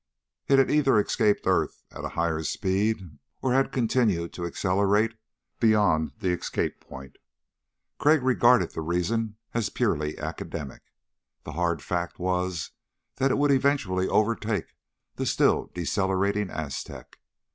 It had either escaped earth at a higher speed or had continued to accelerate beyond the escape point. Crag regarded the reason as purely academic. The hard fact was that it would eventually overtake the still decelerating Aztec.